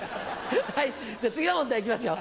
はい次の問題いきますよ。